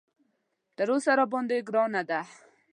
تر اوسه راباندې ګرانه ده.